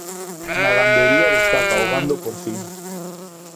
Na gandería destaca o gando porcino.